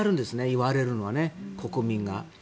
言われるのがね、国民が。